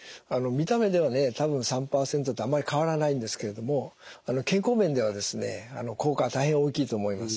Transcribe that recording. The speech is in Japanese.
見た目では多分３％ってあんまり変わらないんですけれども健康面では効果は大変大きいと思います。